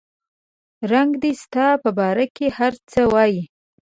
رنګ دې ستا په باره کې هر څه وایي